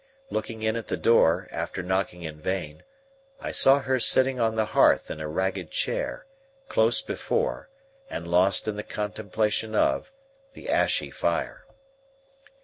Looking in at the door, after knocking in vain, I saw her sitting on the hearth in a ragged chair, close before, and lost in the contemplation of, the ashy fire.